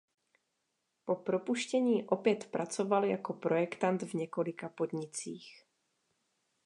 Po propuštění opět pracoval jako projektant v několika podnicích.